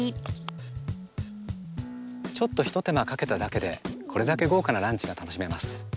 ちょっと一手間かけただけでこれだけ豪華なランチが楽しめます。